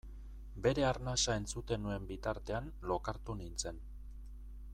Bere arnasa entzuten nuen bitartean lokartu nintzen.